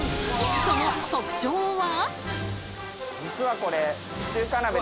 その特徴は？